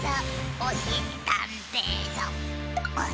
おしりたんていさん